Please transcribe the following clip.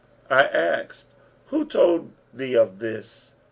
I asked, 'Who told thee of this?'